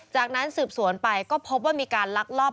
จากนั้นสืบสวนไปก็พบว่ามีการลักลอบ